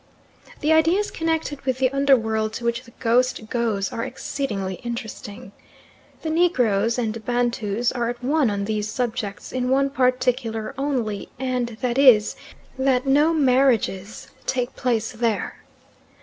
The ideas connected with the under world to which the ghost goes are exceedingly interesting. The Negroes and Bantus are at one on these subjects in one particular only, and that is that no marriages take place there.